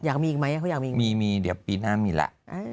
อยากมีอีกไหมเค้ายังมีอีกไหมมีมีเดี๋ยวปีหน้ามีล่ะ